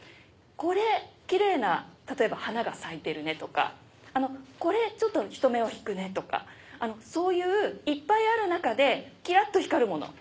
これキレイな例えば花が咲いてるねとかこれちょっと人目を引くねとかそういういっぱいある中でキラっと光るもの